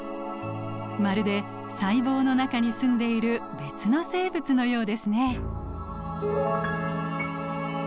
まるで細胞の中に住んでいる別の生物のようですね。